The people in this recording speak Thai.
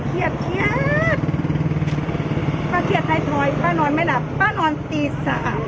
เครียดป้าเครียดไทยทอยป้านอนไม่หลับป้านอนตีสาม